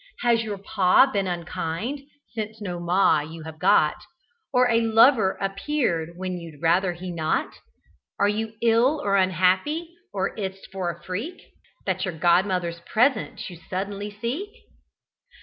Has your 'Pa' been unkind? (since no 'Ma' you have got), Or a lover appeared when you'd rather he'd not? Are you ill, or unhappy, or is't for a freak That your godmother's presence you suddenly seek?"